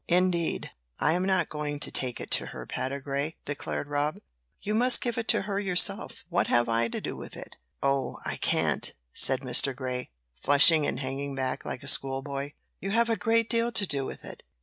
"Indeed, I am not going to take it to her, Patergrey," declared Rob. "You must give it to her yourself; what have I to do with it?" "Oh, I can't," said Mr. Grey, flushing and hanging back like a school boy. "You have a great deal to do with it.